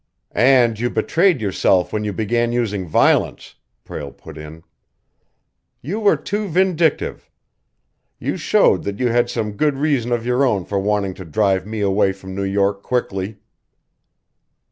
"And you betrayed yourself when you began using violence," Prale put in. "You were too vindictive. You showed that you had some good reason of your own for wanting to drive me away from New York quickly!"